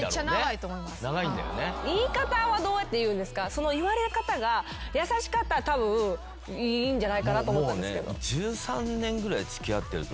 その言われ方が優しかったらたぶんいいんじゃないかなと。